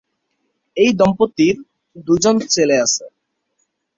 এই দম্পতির দুইজন ছেলে আছে।